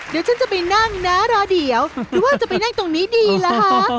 เดี๋ยวฉันจะไปนั่งนะรอเดี๋ยวหรือว่าจะไปนั่งตรงนี้ดีล่ะคะ